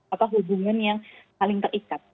apa hubungannya paling terikat